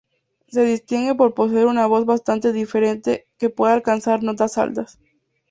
Se distingue por poseer una voz bastante diferente que puede alcanzar notas altas.